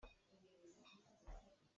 A cunglei pawl cu an ṭha dih cang.